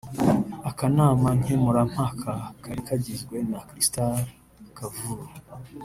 Akanama nkemurampaka kari kagizwe na Crystal Kavulu